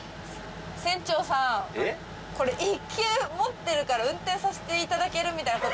船長さんこれ一級持ってるから運転させて頂けるみたいな事って。